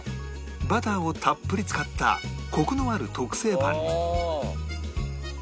バターをたっぷり使ったコクのある特製パンに